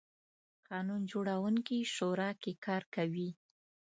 قانون جوړوونکې شورا کې کار کوي.